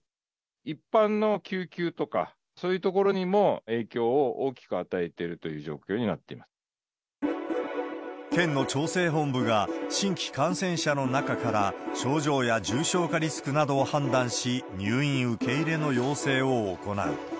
一般の救急とか、そういうところにも影響を大きく与えているという状況になってい県の調整本部が、新規感染者の中から症状や重症化リスクなどを判断し、入院受け入れの要請を行う。